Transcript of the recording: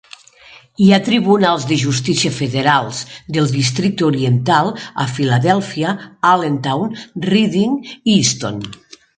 Hi ha tribunals de justícia federals del Districte Oriental a Filadèlfia, Allentown, Reading i Easton.